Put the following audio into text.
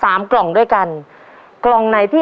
ภายในเวลา๓นาที